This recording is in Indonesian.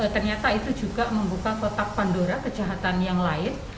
ternyata itu juga membuka kotak pandora kejahatan yang lain